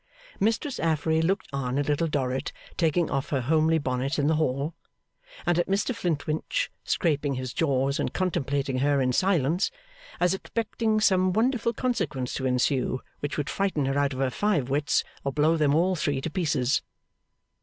Mistress Affery looked on at Little Dorrit taking off her homely bonnet in the hall, and at Mr Flintwinch scraping his jaws and contemplating her in silence, as expecting some wonderful consequence to ensue which would frighten her out of her five wits or blow them all three to pieces.